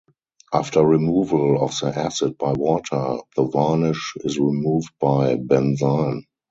After removal of the acid by water the varnish is removed by benzine.